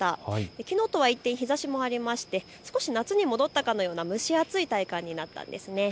きのうとは一転、日ざしもありまして少し夏に戻ったかのような蒸し暑い体感になったんです。